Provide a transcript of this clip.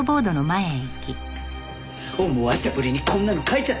思わせぶりにこんなの書いちゃって！